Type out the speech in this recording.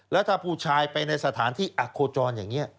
แล้วถ้าผู้ชายไปในสถานที่อักโคจรอย่างนี้